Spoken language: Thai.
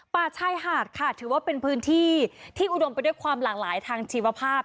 ป่าชายหาดค่ะถือว่าเป็นพื้นที่ที่อุดมไปด้วยความหลากหลายทางชีวภาพ